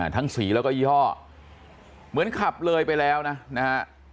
ทั้งสีแล้วก็ย่อเหมือนขับเลยไปแล้วนะฮะ